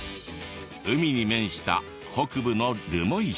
海に面した北部の留萌市。